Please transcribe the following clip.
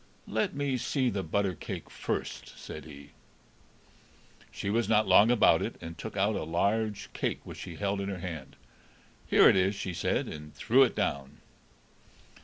"Let me see the butter cake first," said he. She was not long about it, and took out a large cake, which she held in her hand. "Here it is," she said, and threw it down.